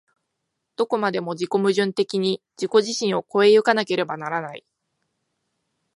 どこまでも自己矛盾的に自己自身を越え行かなければならない。